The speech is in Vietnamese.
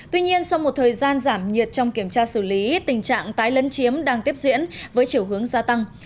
tuy nhiên sau một thời gian giảm nhiệt trong kiểm tra xử lý tình trạng tái lấn chiếm đang tiếp diễn với chiều hướng gia tăng